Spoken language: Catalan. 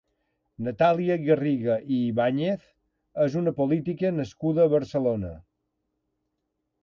Natàlia Garriga i Ibáñez és una política nascuda a Barcelona.